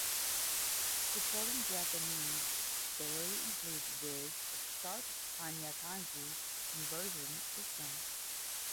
Supporting Japanese, Berry includes Whiz, a sharp Kana-Kanji conversion system.